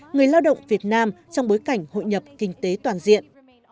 người lao động việt nam trong bối cảnh hội nhập kinh tế toàn diện